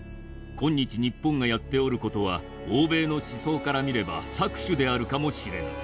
今日日本がやっておる事は欧米の思想から見れば搾取であるかもしれぬ。